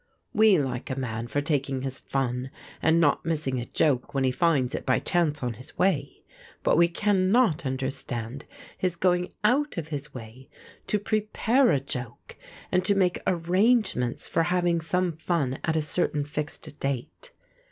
We like a man for taking his fun and not missing a joke when he finds it by chance on his way, but we cannot understand his going out of his way to prepare a joke and to make arrangements for having some fun at a certain fixed date.